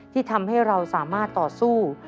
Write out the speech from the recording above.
ที่ทำให้เราสามารถต่อสู้